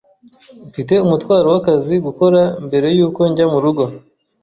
Mfite umutwaro w'akazi gukora mbere yuko njya murugo.